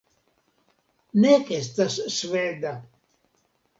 ... nek estas sveda